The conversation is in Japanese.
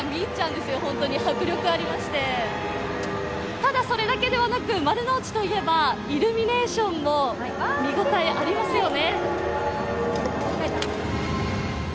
ただ、それだけではなく丸の内といえばイルミネーションも見応えありますよね。